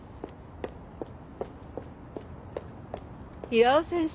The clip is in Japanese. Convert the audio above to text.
平尾先生。